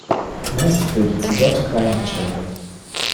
Meist bildet sie dort Reinbestände.